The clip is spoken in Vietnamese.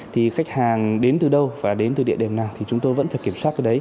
thì khách hàng đến từ đâu và đến từ địa điểm nào thì chúng tôi vẫn phải kiểm soát